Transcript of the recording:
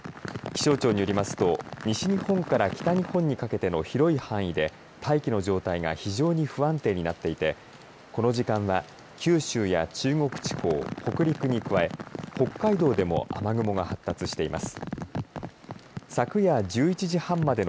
気象庁によりますと西日本から北日本にかけての広い範囲で大気の状態が非常に不安定になっていてこの時間は九州や中国地方北陸に加え北海道でも雨雲が発達しています。